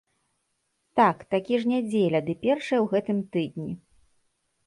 Так, такі ж нядзеля, ды першая ў гэтым тыдні.